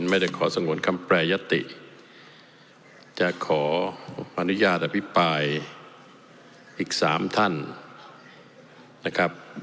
ไม่ได้ขอสงวนคำแปรยติจะขออนุญาตอภิปรายอีก๓ท่านนะครับ